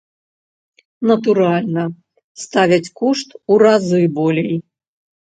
Натуральна, ставяць кошт у разы болей.